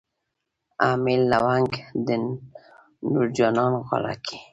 امیل لونګ د تور جانان غاړه کي